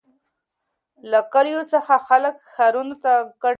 له کلیو څخه خلک ښارونو ته کډه کوي.